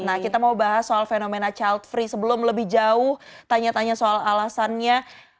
nah kita mau bahas soal fenomena child free sebelum lebih jauh tanya tanya soal alasannya